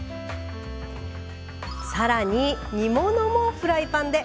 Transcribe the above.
さらに煮物もフライパンで。